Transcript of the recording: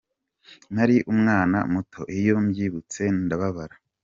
Nari umwana muto, iyo mbyibutse ndababara.